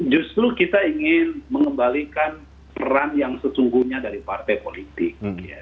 justru kita ingin mengembalikan peran yang sesungguhnya dari partai politik